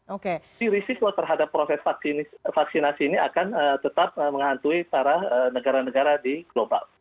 jadi risiko terhadap proses vaksinasi ini akan tetap menghantui para negara negara di global